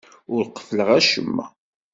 Ur qeffleɣ acemma.